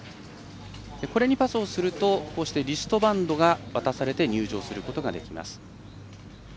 これにパスをするとこうしてリストバンドが渡されて入場することができます。